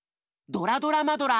「ドラドラマドラ！